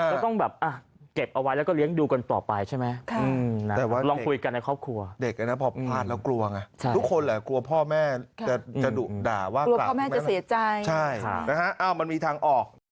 ก็ต้องแบบเก็บเอาไว้แล้วก็เลี้ยงดูกันต่อไปใช่ไหมค่ะลองคุยกันในครอบครัวเด็กพอผ่านแล้วกลัวไงทุกคนแหละกลัวพ่อแม่จะด่าว่ากลัวพ่อแม่จะเสียใจใช่มันมีทางออก